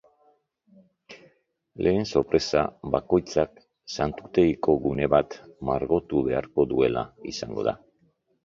Lehen sorpresa bakoitzak santutegiko gune bat margotu beharko duela izango da.